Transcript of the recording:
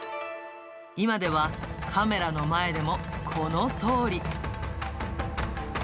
今ではカメラの前でもこのとおり。